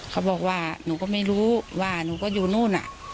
เขาบอกว่าหนูก็ไม่รู้ว่าหนูก็อยู่นู่น